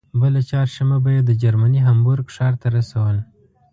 بله چهارشنبه به یې د جرمني هامبورګ ښار ته رسول.